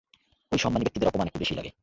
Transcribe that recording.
ওই, সম্মানি ব্যাক্তিদের অপমান একটু বেশি লাগে।